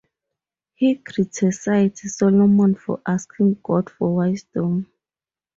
He criticized Solomon for asking God for Wisdom.